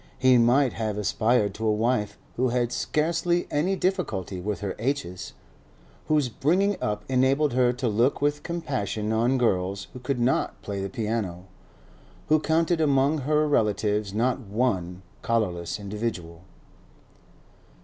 He might have aspired to a wife who had scarcely any difficulty with her h's; whose bringing up enabled her to look with compassion on girls who could not play the piano; who counted among her relatives not one collarless individual.